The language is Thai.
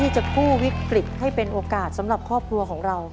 จะกู้วิกฤตให้เป็นโอกาสสำหรับครอบครัวของเรา